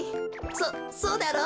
そそうだろう？